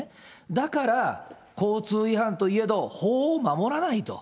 だから交通違反といえど、法を守らないと。